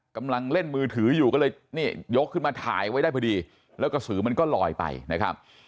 กำลังเล่นมือถืออยู่ก็เลยนี่ยกขึ้นมาถ่ายไว้ได้พอดีแล้วกระสือมันก็ลอยไปนะครับ